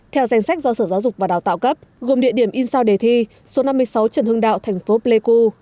theo danh sách do sở giáo dục và đào tạo cấp gồm địa điểm in sao đề thi số năm mươi sáu trần hưng đạo thành phố pleiku